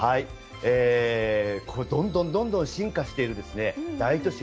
どんどんどんどん進化している大都市